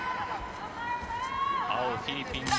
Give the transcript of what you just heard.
青フィリピンの。